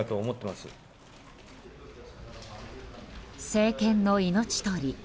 政権の命取り。